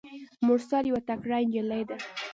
مرسل یوه تکړه نجلۍ ده.